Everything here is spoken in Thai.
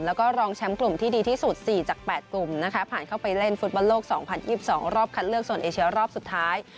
แล้วก็รองแชมป์กลุ่มที่ดีที่สุดสี่จากแปดกลุ่มนะคะผ่านเข้าไปเล่นฟู้ตบรบโลกสองพันยี่สิบสองรอบคัดเลือกโซนเอเชียรอบสุดท้าย